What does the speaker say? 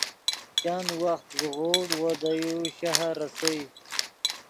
چند وخت زیغوڤڈ وو دے یو شہر ریسئے